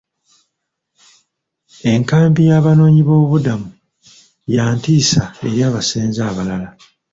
Enkambi y'abanoonyiboobubudamu ya ntiisa eri abasenze abalala.